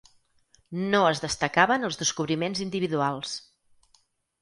No es destacaven els descobriments individuals.